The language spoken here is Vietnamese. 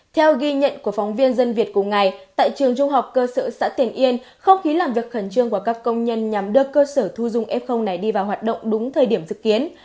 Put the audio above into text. theo ghi nhận của phóng viên dân việt cùng ngày tại trường trung học cơ sở xã tiền yên không khí làm việc khẩn trương của các công nhân nhằm đưa cơ sở thu dung f này đi vào hoạt động đúng thời điểm dự kiến